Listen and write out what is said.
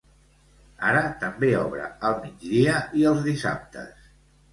Ara també obre al migdia i els dissabtes.